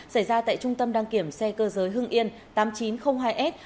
xảy ra tại trung tâm đăng kiểm xe cơ giới hưng yên tám nghìn chín trăm linh hai s